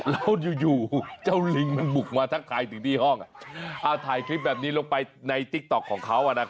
แล้วอยู่เจ้าลิงมันบุกมาทักทายถึงที่ห้อง